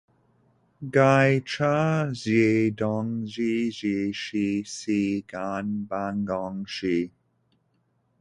改差浙东制置使司干办公事。